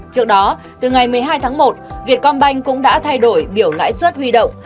trước đó từ ngày một mươi hai tháng một vietcombank cũng đã thay đổi biểu lãi suất huy động